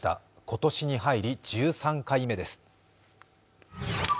今年に入り１３回目です。